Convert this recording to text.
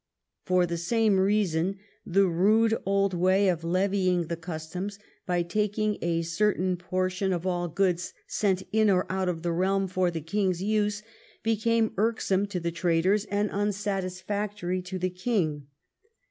For the same reason the rude old way of levying the customs by taking a certain portion of all goods sent in or out of the realm for the king's use became irksome to the traders and unsatisfactory to the king.